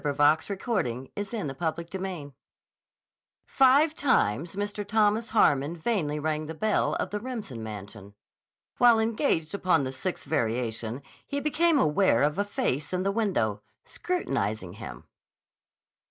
of Veyze Holdings, Hampshire, England. CHAPTER X FIVE times Mr. Thomas Harmon vainly rang the bell of the Remsen mansion. While engaged upon the sixth variation he became aware of a face in the window, scrutinizing him.